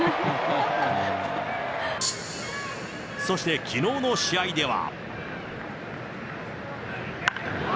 そして、きのうの試合では。